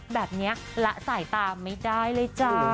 แบบนี้ละสายตาไม่ได้เลยจ้า